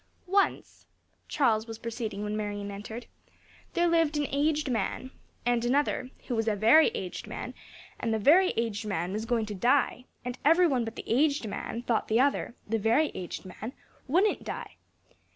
"Once" (Charles was proceeding when Marion entered), "there lived an aged man, and another who was a very aged man; and the very aged man was going to die, and every one but the aged man thought the other, the very aged man, wouldn't die.